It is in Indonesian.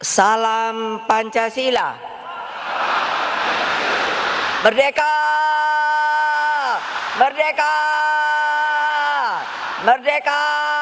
salam pancasila merdeka merdeka merdeka